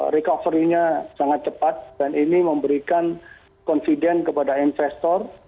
recovery nya sangat cepat dan ini memberikan confident kepada investor